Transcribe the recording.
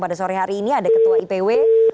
pada sore hari ini ada ketua ipw